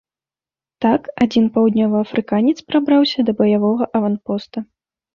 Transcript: Так, адзін паўднёваафрыканец прабраўся да баявога аванпоста.